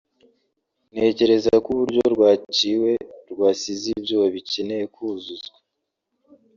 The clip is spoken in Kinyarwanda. ntekereza ko uburyo rwaciwe rwasize ibyuho bikeneye kuzuzwa